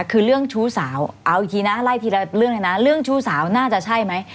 คือเรื่องชู้สาวเอาอีกทีนะไล่ทีละเรื่องเลยนะเรื่องชู้สาวน่าจะใช่ไหม